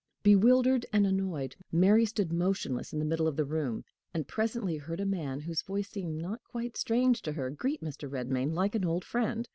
Bewildered and annoyed, Mary stood motionless in the middle of the room, and presently heard a man, whose voice seemed not quite strange to her, greet Mr. Redmain like an old friend.